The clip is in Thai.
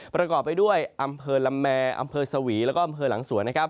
ประกอบไปด้วยอำเภอลำแมร์อำเภอสวีแล้วก็อำเภอหลังสวนนะครับ